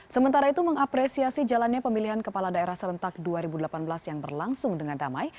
sementara itu mengapresiasi jalannya pemilihan kepala daerah serentak dua ribu delapan belas yang berlangsung dengan damai